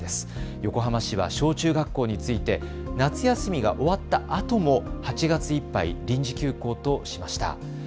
横浜市は小中学校について夏休みが終わったあとも８月いっぱい臨時休校としました。